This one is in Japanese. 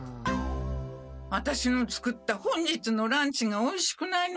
アタシの作った本日のランチがおいしくないのかしら？